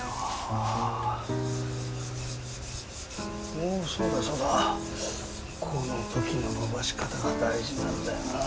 おおそうだそうだこのときの伸ばし方が大事なんだよなぁ。